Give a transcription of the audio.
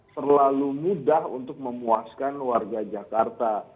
terlalu mudah untuk memuaskan warga jakarta